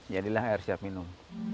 jadilah air siap minum